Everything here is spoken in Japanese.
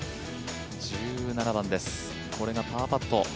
１７番です、これがパーパット。